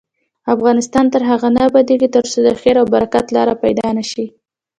افغانستان تر هغو نه ابادیږي، ترڅو د خیر او برکت لاره پیدا نشي.